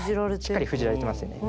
しっかり封じられてますよね。